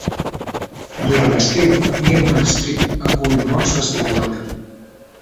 Durant l'estiu, Newman Street acull molts festivals al carrer.